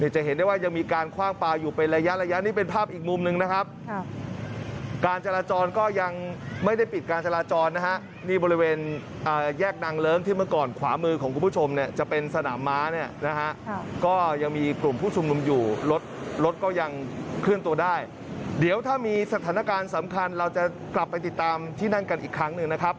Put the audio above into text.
จะเห็นได้ว่ายังมีการคว่างปลาอยู่เป็นระยะระยะนี่เป็นภาพอีกมุมหนึ่งนะครับการจราจรก็ยังไม่ได้ปิดการจราจรนะฮะนี่บริเวณแยกนางเลิ้งที่เมื่อก่อนขวามือของคุณผู้ชมเนี่ยจะเป็นสนามม้าเนี่ยนะฮะก็ยังมีกลุ่มผู้ชุมนุมอยู่รถรถก็ยังเคลื่อนตัวได้เดี๋ยวถ้ามีสถานการณ์สำคัญเราจะกลับไปติดตามที่นั่นกันอีกครั้งหนึ่งนะครับ